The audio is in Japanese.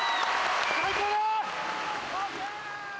最高だ！